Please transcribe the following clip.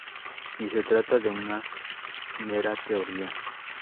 Ni se trata de una mera teoría.